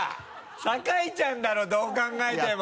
酒井ちゃんだろどう考えても！